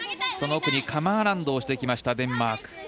その奥にカム・アラウンドをしてきましたデンマーク。